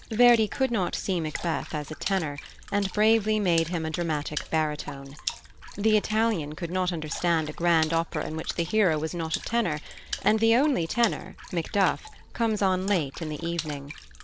Verdi could not see Macbeth as a tenor, and bravely made him a dramatic baritone. The Italian could not understand a grand opera in which the hero was not a tenor; and the only tenor, Macduff, comes on late in the evening.